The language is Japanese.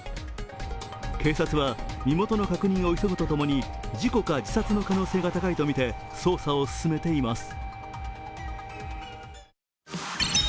警察は身元の確認を急ぐとともに事故か自殺の可能性が高いとみて捜査を進めています。